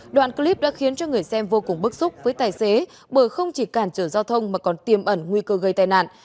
đoạn clip đã khiến cho người xem vô cùng bức xúc với tài xế bởi không chỉ cản trở giao thông mà còn tiêm ẩn nguy cơ gây tai nạn